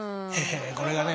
これがね